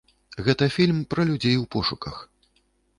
Гэта фільм пра людзей у пошуках.